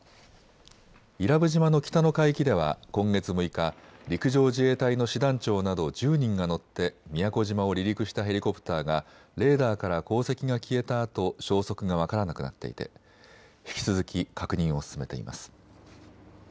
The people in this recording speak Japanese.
伊良部島の北の海域では今月６日、陸上自衛隊の師団長など１０人が乗って宮古島を離陸したヘリコプターがレーダーから航跡が消えたあと消息が分からなくなっていて引き続き確認を進めています。